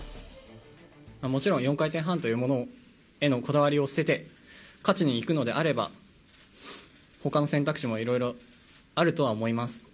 もちろん４回転半というものへのこだわりを捨てて、勝ちにいくのであれば、ほかの選択肢もいろいろあるとは思います。